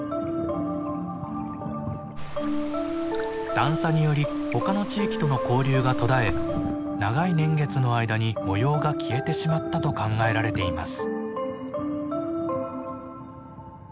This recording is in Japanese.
段差により他の地域との交流が途絶え長い年月の間に模様が消えてしまったと考えられています。